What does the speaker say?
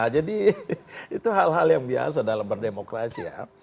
jadi itu hal hal yang biasa dalam berdemokrasi ya